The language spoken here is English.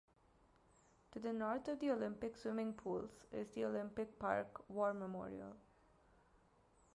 To the north of the Olympic Swimming Pools is the Olympic Park War Memorial.